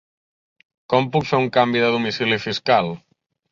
Com puc fer un canvi de domicili fiscal?